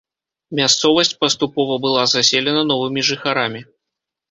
Мясцовасць паступова была заселена новымі жыхарамі.